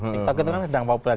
tiktok itu kan sedang populer